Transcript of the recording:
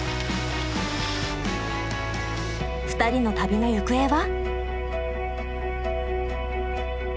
２人の旅の行方は？